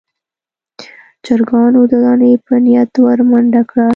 چرګانو د دانې په نيت ور منډه کړه.